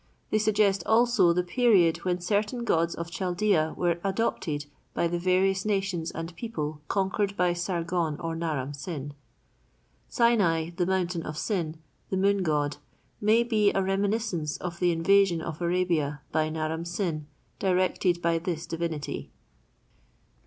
They suggest also the period when certain gods of Chaldea were adopted by the various nations and people conquered by Sargon or Naram Sin. Sinai, the mountain of Sin, the Moon God, may be a reminiscence of the invasion of Arabia by Naram Sin directed by this divinity.